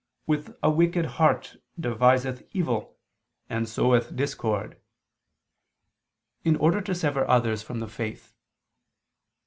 . with a wicked heart deviseth evil, and ... soweth discord," in order to sever others from the faith.